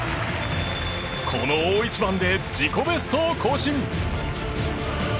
この大一番で自己ベストを更新。